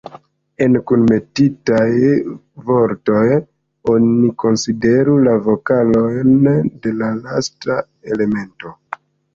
En kunmetitaj vortoj, oni konsideru la vokalojn de la lasta elemento.